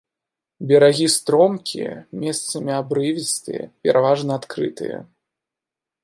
Берагі стромкія, месцамі абрывістыя, пераважна адкрытыя.